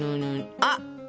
あっ！